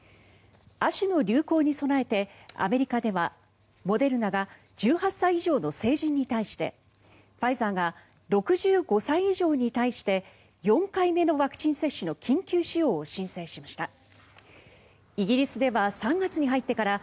亜種の流行に備えてアメリカではモデルナが１８歳以上の成人に対してファイザーが６５歳以上に対して４回目のワクチン接種の緊急使用を申請しました。